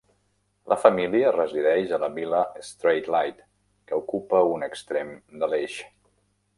La família resideix a la vila Straylight, que ocupa un extrem de l'eix.